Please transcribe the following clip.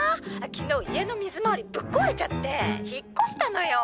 「昨日家の水回りぶっ壊れちゃって引っ越したのよ！」